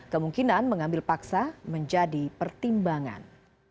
kemungkinan mengambil paksa menjadi pertimbangan